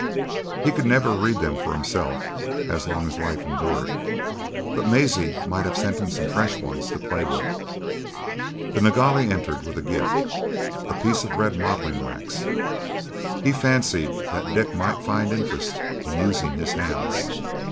He could never read them for himself as long as life endured; but Maisie might have sent him some fresh ones to play with. The Nilghai entered with a gift,—a piece of red modelling wax. He fancied that Dick might find interest in using his hands.